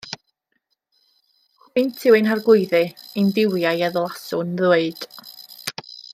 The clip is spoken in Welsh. Hwynt yw ein harglwyddi — ein duwiau a ddylaswn ddweud.